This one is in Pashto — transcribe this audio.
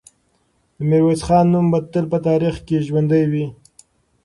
د میرویس خان نوم به تل په تاریخ کې ژوندی وي.